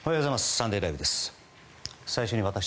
「サンデーＬＩＶＥ！！」